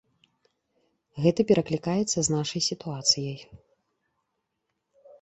Гэта пераклікаецца з нашай сітуацыяй.